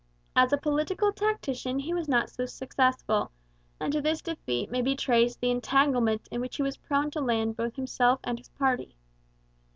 As a political tactician he was not so successful, and to this defect may be traced the entanglements in which he was prone to land both himself and his party.